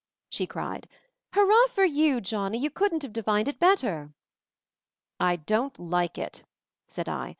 she cried. "Hurrah for you, Johnnie, you couldn't have defined it better." "I don't like it," said I.